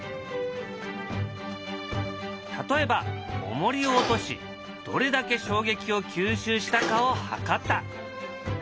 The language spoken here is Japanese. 例えばおもりを落としどれだけ衝撃を吸収したかを測った。